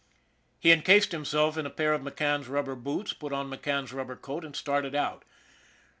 He incased himself in a pair of McCann's rubber boots, put on McCann's rubber coat, and started out.